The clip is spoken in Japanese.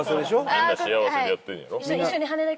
みんな幸せでやってんねやろ？